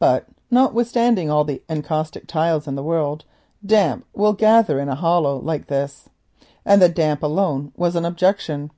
But notwithstanding all the encaustic tiles in the world, damp will gather in a hollow like this, and the damp alone was an objection.